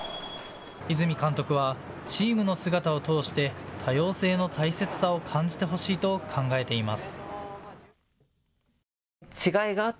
泉監督はチームの姿を通して多様性の大切さを感じてほしいと考えています。